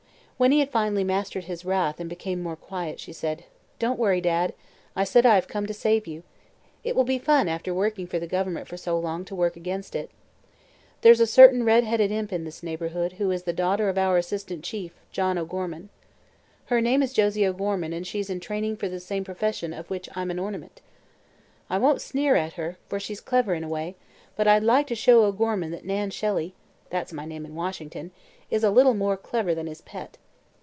When he had finally mastered his wrath and became more quiet she said: "Don't worry, Dad. I said I have come to save you. It will be fun, after working for the Government so long, to work against it. There's a certain red headed imp in this neighborhood who is the daughter of our assistant chief, John O'Gorman. Her name is Josie O'Gorman and she's in training for the same profession of which I'm an ornament. I won't sneer at her, for she's clever, in a way, but I'd like to show O'Gorman that Nan Shelley that's my name in Washington is a little more clever than his pet.